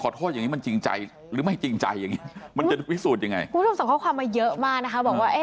คุณผู้ชมสั่งข้อความมาเยอะมากนะคะบอกว่า